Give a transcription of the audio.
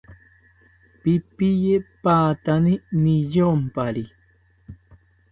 Pipiye patani niyompari